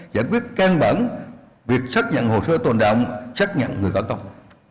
giải quyết can bản việc xác nhận hồ sơ tồn đạo xác nhận người có công